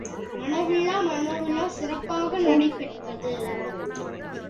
மணவிழா மணவிழா சிறப்பாக நடைபெற்றது.